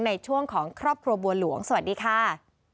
ในช่วงของครอบครัวบัวหลวงสวัสดีค่ะ